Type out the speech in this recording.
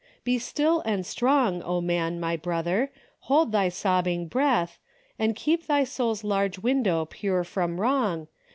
Be still and strong, O man, my brother ! hold thy sobbing breath. And keep thy soul's large window pure from wrong.